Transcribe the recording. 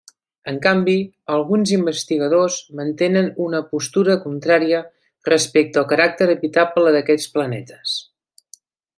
En canvi, alguns investigadors mantenen una postura contrària respecte al caràcter habitable d'aquests planetes.